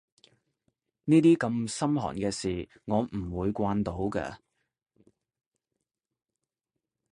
呢啲咁心寒嘅事我唔會慣到㗎